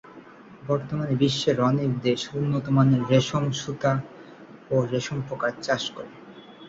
বর্তমানে বিশ্বের অনেক দেশ উন্নতমানের রেশম সুতা ও রেশম পোকার চাষ করে।